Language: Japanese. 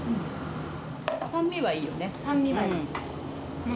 酸味はいいよね。